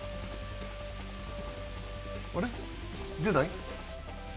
あれ？出ない？